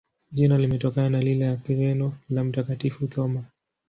Jina limetokana na lile la Kireno la Mtakatifu Thoma.